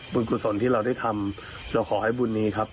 กุศลที่เราได้ทำเราขอให้บุญนี้ครับ